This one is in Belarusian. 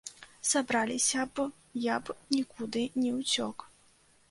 Сабраліся б, я б нікуды не ўцёк.